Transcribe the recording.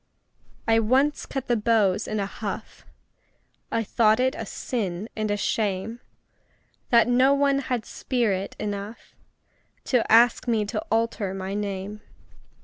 I once cut the beaux in a huff I thought it a sin and a shame That no one had spirit enough To ask me to alter my name.